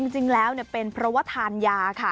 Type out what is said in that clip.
จริงแล้วเป็นเพราะว่าทานยาค่ะ